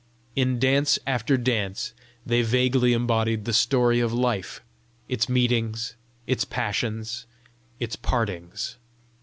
In dance after dance they vaguely embodied the story of life, its meetings, its passions, its partings.